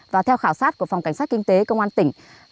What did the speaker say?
và theo khảo sát của phòng cảnh sát kinh tế công an tỉnh